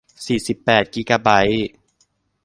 สี่สิบแปดกิกะไบต์